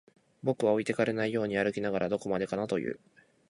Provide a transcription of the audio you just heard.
僕は置いてかれないように歩きながら、どこまでかなと言う